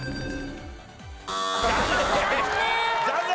残念！